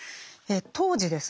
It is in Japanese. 当時ですね